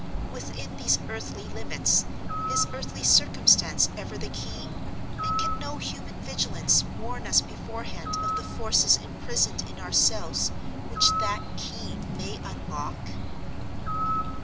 Within these earthly limits, is earthly Circumstance ever the key; and can no human vigilance warn us beforehand of the forces imprisoned in ourselves which that key may unlock?